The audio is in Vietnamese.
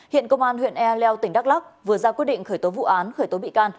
hiện công an huyện e leo tỉnh đắk lắc vừa ra quyết định khởi tố vụ án khởi tố bị can